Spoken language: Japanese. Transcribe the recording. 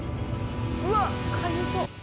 うわっかゆそう。